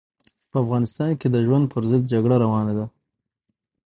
په افغانستان کې د ژوند پر ضد جګړه روانه ده.